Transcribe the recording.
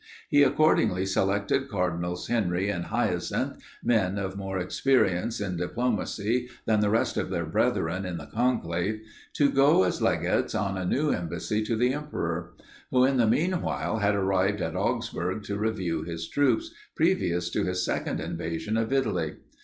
He accordingly selected Cardinals Henry and Hyacinth, men of more experience in diplomacy than the rest of their brethren in the conclave, to go as legates on a new embassy to the emperor; who in the meanwhile had arrived at Augsburg to review his troops, previous to his second invasion of Italy.